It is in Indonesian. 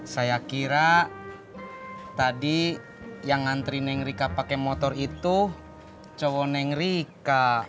saya kira tadi yang ngantri neng rika pake motor itu cowok neng rika